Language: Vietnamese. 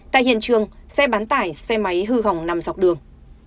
tại hiện trường xe bán tải xe máy hư hỏng nằm dọc đường